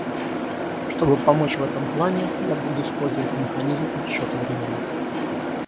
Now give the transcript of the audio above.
Чтобы помочь в этом плане, я буду использовать механизм отсчета времени.